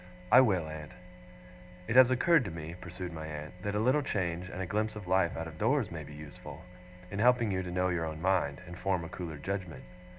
'I will, aunt.' 'It has occurred to me,' pursued my aunt, 'that a little change, and a glimpse of life out of doors, may be useful in helping you to know your own mind, and form a cooler judgement.